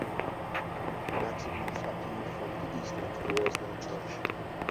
Maximus appealed from the Eastern to the Western church.